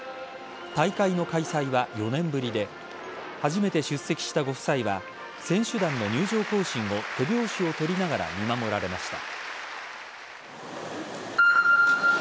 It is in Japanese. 大会の開催は４年ぶりで初めて出席したご夫妻は選手団の入場行進を手拍子を取りながら見守られました。